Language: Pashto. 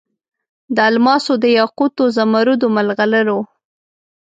د الماسو، دیاقوتو، زمرودو، مرغلرو